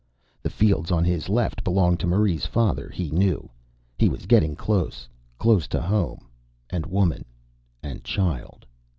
The fields on his left belonged to Marie's father, he knew. He was getting close close to home and woman and child.